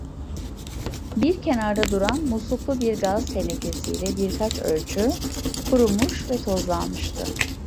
Bir kenarda duran musluklu bir gaz tenekesiyle birkaç ölçü, kurumuş ve tozlanmıştı.